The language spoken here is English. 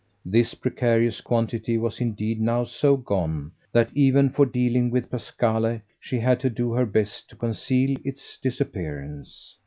This precarious quantity was indeed now so gone that even for dealing with Pasquale she had to do her best to conceal its disappearance.